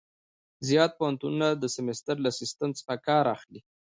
زیات پوهنتونونه د سمستر له سیسټم څخه کار اخلي.